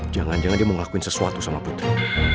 jangan jangan dia mau ngelakuin sesuatu sama putri